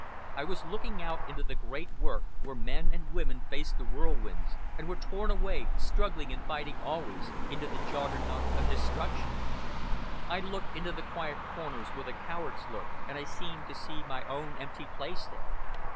I was looking out into the great work where men and women faced the whirlwinds, and were torn away, struggling and fighting always, into the Juggernaut of destruction. I looked into the quiet corners where the cowards lurked, and I seemed to see my own empty place there.